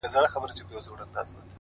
ها ښکلې که هر څومره ما وغواړي _